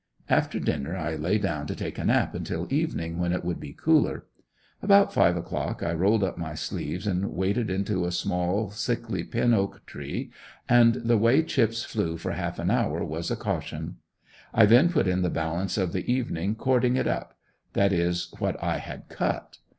After dinner I lay down to take a nap until evening when it would be cooler. About five o'clock I rolled up my sleeves and waded into a small, sickly pin oak tree and the way chips flew for half an hour was a caution. I then put in the balance of the evening cording it up that is what I had cut.